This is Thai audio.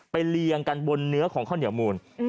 เรียงกันบนเนื้อของข้าวเหนียวมูล